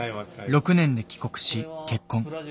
６年で帰国し結婚。